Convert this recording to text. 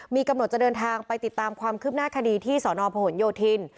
มีกำหนดจะเดินทางไปติดตามความคืบหน้าคดีที่สนพหนโยธิน